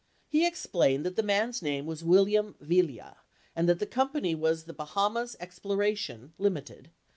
65 He explained that the man's name was William Viglia and that the company was the Bahamas Exploration, Ltd.